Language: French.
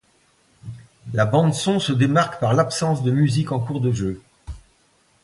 La bande-son se démarque par l'absence de musique en cours de jeu.